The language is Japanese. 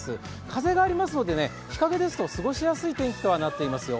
風がありますので、日陰ですと過ごしやすい天気とはなっていますよ。